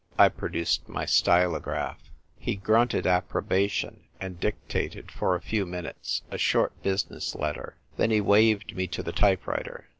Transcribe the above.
I produced my stylograph. He grunted approbation, and dictated for a few minutes a short business letter. Then he waved me to the type writer.